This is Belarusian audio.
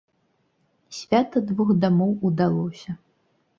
Свята двух дамоў удалося!